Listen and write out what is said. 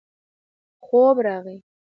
خوب راغی.